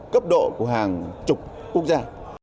cấp độ của hàng trục quốc gia